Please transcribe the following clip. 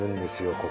ここ。